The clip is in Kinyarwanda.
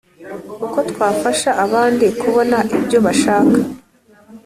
uko twafasha abandi kubona ibyo bashaka